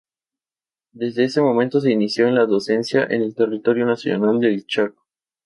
Desde ese momento se inició en la docencia en el Territorio Nacional del Chaco.